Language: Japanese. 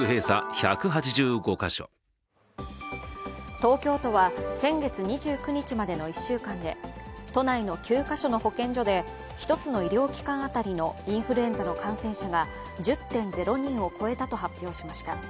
東京都は先月２９日までの１週間で都内の９か所の保健所で１つの医療機関当たりのインフルエンザの感染者が１０．０人を超えたと発表しました。